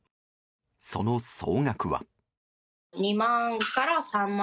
その総額は。